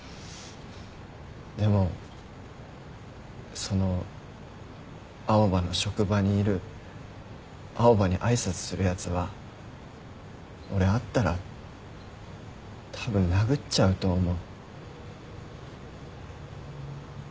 でもその青羽の職場にいる青羽に挨拶するやつは俺会ったらたぶん殴っちゃうと思う。